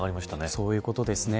そういうことですね。